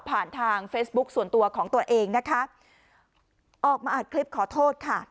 ผ่านทางเฟซบุ๊คส่วนตัวของตัวเองนะคะออกมาอัดคลิปขอโทษค่ะ